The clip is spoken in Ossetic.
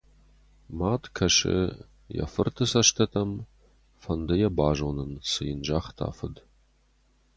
Мад кӕсы йӕ фырты цӕстытӕм, фӕнды йӕ базонын, цы йын загъта фыд.